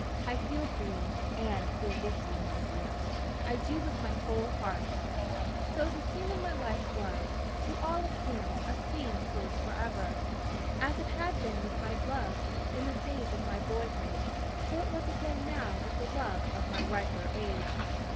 I feel for you, and feel with you, my dear I do, with my whole heart." So this scene in my life was, to all appearance, a scene closed forever. As it had been with my love, in the days of my boyhood, so it was again now with the love of my riper age!